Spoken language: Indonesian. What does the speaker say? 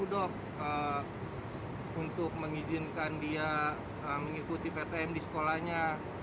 dia mengikuti ptm di sekolahnya